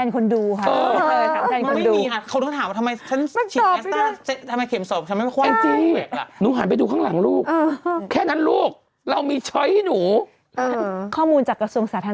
เอกซี่ถามแทนคนดูค่ะ